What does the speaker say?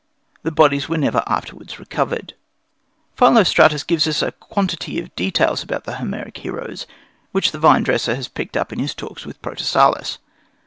The bodies were never afterwards recovered. Philostratus gives us a quantity of details about the Homeric heroes, which the vine dresser has picked up in his talks with Protesilaus.